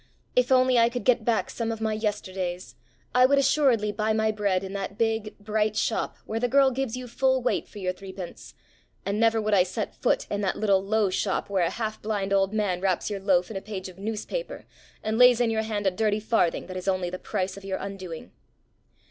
If only I could get back some of my yesterdays, I would assuredly buy my bread in that big, bright shop where the girl gives you full weight for your threepence; and never would I set foot in that little low shop where a half blind old man wraps your loaf in a page of newspaper, and lays in your hand a dirty farthing that is only the price of your undoing.